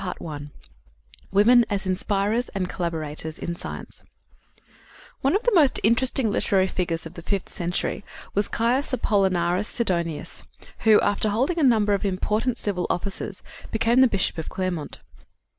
CHAPTER XI WOMEN AS INSPIRERS AND COLLABORATORS IN SCIENCE One of the most interesting literary figures of the fifth century was Caius Apollinaris Sidonius, who, after holding a number of important civil offices, became the bishop of Clermont.